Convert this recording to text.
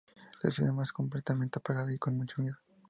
La ciudad está completamente apagada y con mucho miedo.